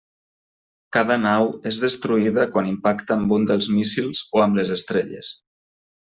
Cada nau és destruïda quan impacta amb un dels míssils o amb les estrelles.